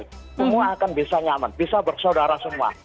semua akan bisa nyaman bisa bersaudara semua